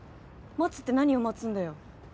待つって何を待つんだよ？